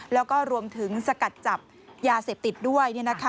แล้วก็รวมถึงสกัดจับยาเสพติดด้วย